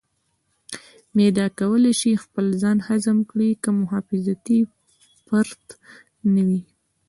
معده کولی شي خپل ځان هضم کړي که محافظتي پرت نه وي.